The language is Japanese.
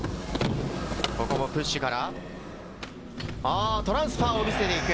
ここもプッシュからトランスファーを見せていく。